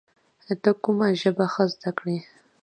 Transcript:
ته کوم ژبه ښه زده کړې؟